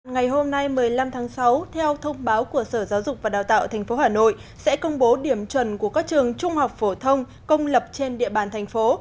ngày hôm nay một mươi năm tháng sáu theo thông báo của sở giáo dục và đào tạo tp hà nội sẽ công bố điểm chuẩn của các trường trung học phổ thông công lập trên địa bàn thành phố